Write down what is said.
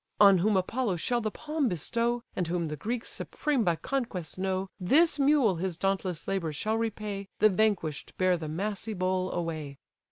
On whom Apollo shall the palm bestow, And whom the Greeks supreme by conquest know, This mule his dauntless labours shall repay, The vanquish'd bear the massy bowl away."